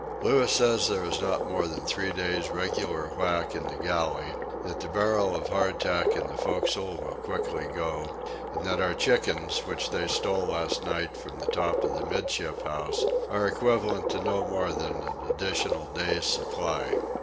Louis says there is not more than three days' regular whack in the galley; that the barrel of hard tack in the forecastle will quickly go; and that our chickens, which they stole last night from the top of the 'midship house, are equivalent to no more than an additional day's supply.